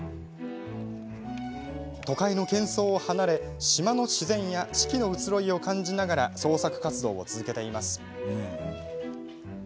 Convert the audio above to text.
都会のけん騒を離れ島の自然や四季の移ろいを感じながら創作活動を続けています。